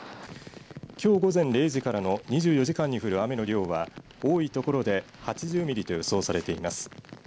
きょう午前０時からの２４時間に降る雨の量は多い所で８０ミリと予想されています。